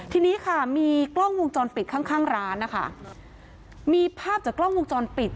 ทีนี้ค่ะมีกล้องวงจรปิดข้างข้างร้านนะคะมีภาพจากกล้องวงจรปิด